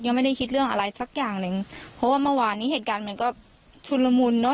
ไม่ได้คิดเรื่องอะไรสักอย่างหนึ่งเพราะว่าเมื่อวานนี้เหตุการณ์มันก็ชุนละมุนเนอ